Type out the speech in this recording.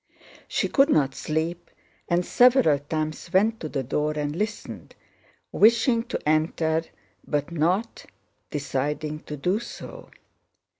She could not sleep and several times went to the door and listened, wishing to enter but not deciding to do so.